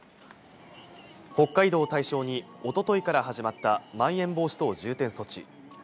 北海道を対象に一昨日から始まった、まん延防止等重点措置。